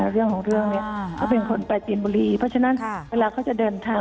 เขาเป็นคนปราจีนบุรีเพราะฉะนั้นเวลาเขาจะเดินทาง